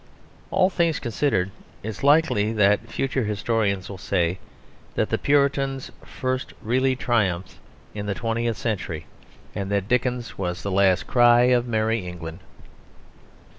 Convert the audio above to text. All things considered, it is likely that future historians will say that the Puritans first really triumphed in the twentieth century, and that Dickens was the last cry of Merry England.